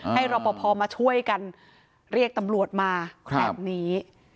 รอปภมาช่วยกันเรียกตำรวจมาแบบนี้